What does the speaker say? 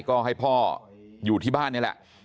ก็ให้พ่ออยู่ที่บ้านนี่แหละ